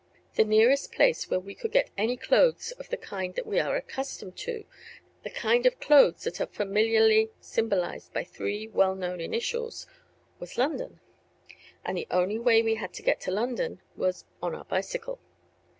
The nearest place where we could get any clothes of the kind that we are accustomed to, the kind of clothes that are familiarly symbolized by three well known initials, was London. And the only way we had to get to London was on our bicycle.